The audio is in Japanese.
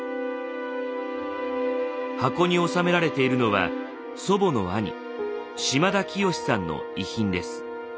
箱に収められているのは祖母の兄島田清守さんの遺品です。